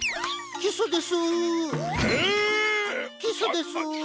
キスです！